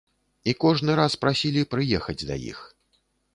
І кожны раз прасілі прыехаць да іх.